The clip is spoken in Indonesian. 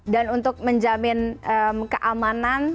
dan untuk menjamin keamanan